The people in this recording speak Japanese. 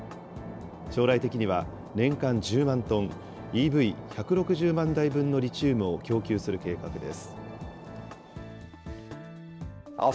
将来的には年間１０万トン、ＥＶ１６０万台分のリチウムを供給する計画です。